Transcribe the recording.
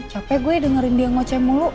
capek gue dengerin dia ngoce mulu